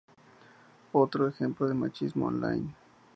Otro ejemplo de machismo online